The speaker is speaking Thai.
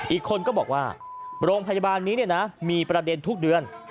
อีกคนก็บอกว่าโรงพยาบาลนี้มีประเด็นทุกเดือน